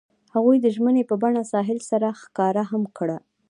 هغوی د ژمنې په بڼه ساحل سره ښکاره هم کړه.